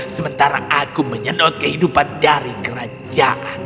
sementara aku menyedot kehidupan dari kerajaan